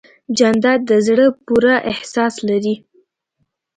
جانداد د زړه پوره احساس لري.